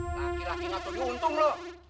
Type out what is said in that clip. laki laki ngatu diuntung lo